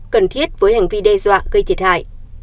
cần thiết với hành vi đe dọa gây thiệt hại